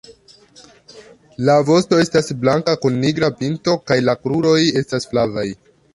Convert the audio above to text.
La vosto estas blanka kun nigra pinto kaj la kruroj estas flavaj.